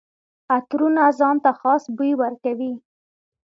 عطرونه ځان ته خاص بوی ورکوي.